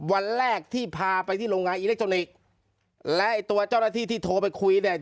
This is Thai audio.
วันแรกที่พาไปที่โรงงานอิเล็กทรอนิกส์และไอ้ตัวเจ้าหน้าที่ที่โทรไปคุยเนี่ย